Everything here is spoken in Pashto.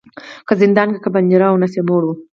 که زندان که پنجره وه نس یې موړ وو